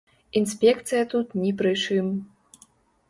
Інспекцыя тут ні пры чым.